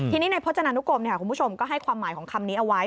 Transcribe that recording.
ทีนี้ในพจนานุกรมคุณผู้ชมก็ให้ความหมายของคำนี้เอาไว้